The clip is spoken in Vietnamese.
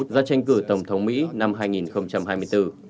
ra tranh cử tổng thống mỹ năm hai nghìn hai mươi bốn